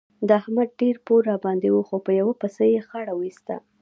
د احمد ډېر پور راباندې وو خو په یوه پسه يې غاړه وېسته.